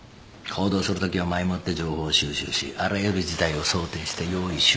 行動するときは前もって情報を収集しあらゆる事態を想定して用意